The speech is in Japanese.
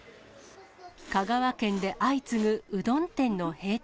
香川県で相次ぐうどん店の閉店。